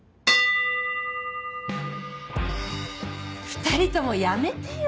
２人ともやめてよ。